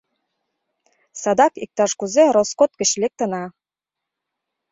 Садак иктаж-кузе роскот гыч лектына.